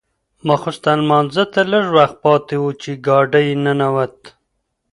ماخوستن لمانځه ته لږ وخت پاتې و چې ګاډی ننوت.